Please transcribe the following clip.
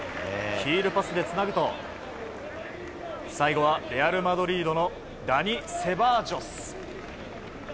ヒールパスでつなぐと最後はレアル・マドリードのダニ・セバージョス。